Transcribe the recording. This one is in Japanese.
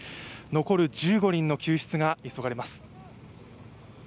残る１５人の救出が急がれます。